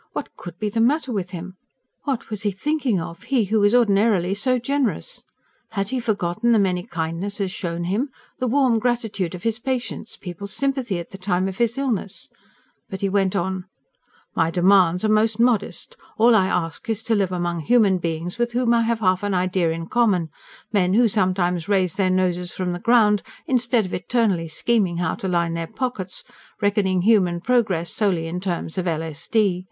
What could be the matter with him? What was he thinking of, he who was ordinarily so generous? Had he forgotten the many kindnesses shown him, the warm gratitude of his patients, people's sympathy, at the time of his illness? But he went on: "My demands are most modest. All I ask is to live among human beings with whom I have half an idea in common men who sometimes raise their noses from the ground, instead of eternally scheming how to line their pockets, reckoning human progress solely in terms of l.s.d.